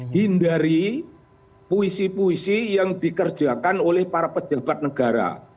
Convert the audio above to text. hindari puisi puisi yang dikerjakan oleh para pejabat negara